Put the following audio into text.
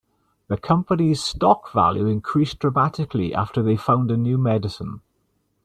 The company's stock value increased dramatically after they found a new medicine.